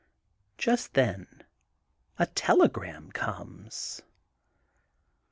Just then a telegram comes.